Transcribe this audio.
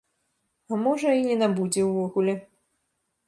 А можа, і не набудзе ўвогуле.